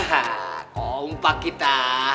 haha kompak kita